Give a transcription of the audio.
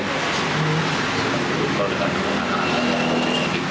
kita bergurau dengan anak anak yang mencoba untuk mencoba